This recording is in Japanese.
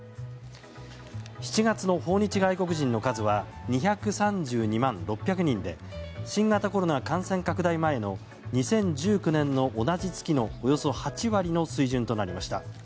７月の訪日外国人の数は２３２万６００人で新型コロナ感染拡大前の２０１９年の同じ月のおよそ８割の水準となりました。